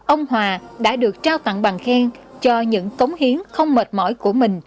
ông hòa đã được trao tặng bằng khen cho những cống hiến không mệt mỏi của mình